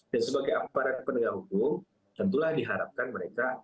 dan sebagai aparat pendengar hukum tentulah diharapkan mereka